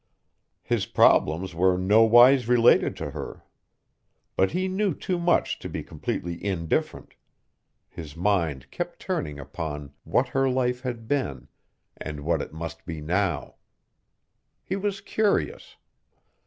His problems were nowise related to her. But he knew too much to be completely indifferent. His mind kept turning upon what her life had been, and what it must be now. He was curious.